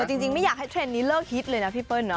แต่จริงไม่อยากให้เทรนด์นี้เลิกฮิตเลยนะพี่เปิ้ลเน